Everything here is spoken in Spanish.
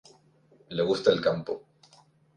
Le gusta el campo.